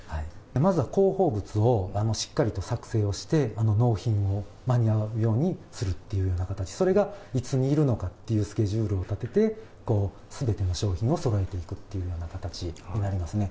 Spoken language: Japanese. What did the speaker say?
まずは広報物をしっかりと作成をして、納品を間に合うようにするというような形、それがいつにいるのかっていうスケジュールを立てて、すべての商品をそろえていくというような形になりますね。